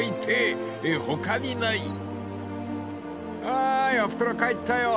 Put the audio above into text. ［おーいおふくろ帰ったよ！］